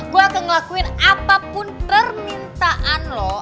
gue akan ngelakuin apapun permintaan lo